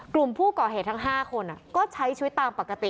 กลุ่มผู้ก่อเหตุทั้ง๕คนก็ใช้ชีวิตตามปกติ